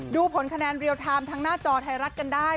ดูผลคะแนนเรียลไทม์ทางหน้าจอไทยรัฐกันได้